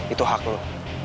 itu hak lo